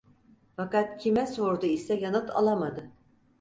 Fakat kime sordu ise yanıt alamadı.